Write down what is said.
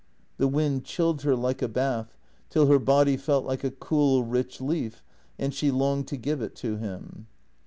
The wind chilled her like a bath, till her body felt like a cool rich leaf, and she longed to give it to him.